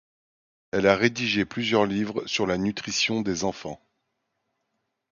Elle a rédigé plusieurs livres sur la nutrition des enfants.